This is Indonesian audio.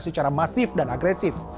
secara masif dan agresif